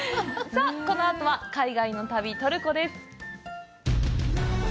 さあ、このあとは海外の旅、トルコです。